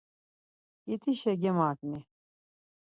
Ǩitişe gemaǩni.